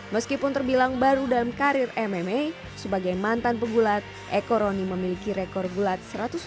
meskipun terbilang baru dalam karir mma sebagai mantan pegulat eko roni memiliki rekor gulat satu ratus enam belas sepuluh